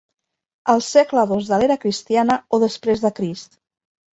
El segle dos de l'era cristiana o després de Crist.